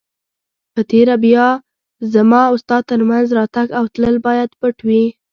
په تېره بیا زما او ستا تر مینځ راتګ او تلل باید پټ وي.